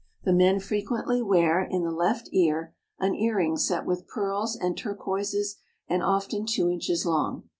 The men frequently wear, in the left ear, an earring set with pearls and turquoises and often two inches long.